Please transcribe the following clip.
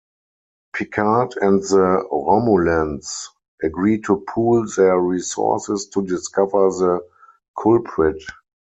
Picard and the Romulans agree to pool their resources to discover the culprit.